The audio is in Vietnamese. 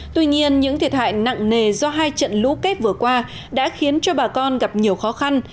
tuy nhiên những thiệt hại nặng nề do hai trận lũ kết vừa qua đã khiến cho bà con gặp nhiều khó khăn